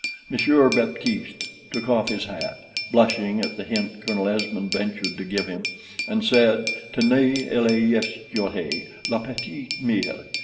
Monsieur Baptiste took off his hat, blushing at the hint Colonel Esmond ventured to give him, and said: "Tenez, elle est jolie, la petite mere.